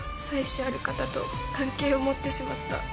妻子ある方と関係を持ってしまった。